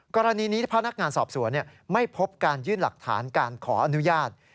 กรณีนี้ถ้าพนักงานสอบสวนไม่พบการยื่นหลักฐานการขออนุญาต